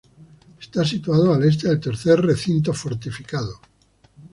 Está situado al este del Tercer Recinto Fortificado.